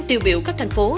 tiêu biểu cấp thành phố